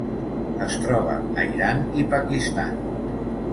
Es troba a Iran i Pakistan.